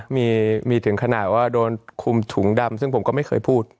มีถึงขนาดว่าโดนคุมถุงดำซึ่งผมก็ไม่เคยพูด